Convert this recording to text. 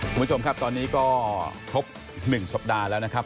คุณผู้ชมครับตอนนี้ก็ครบ๑สัปดาห์แล้วนะครับ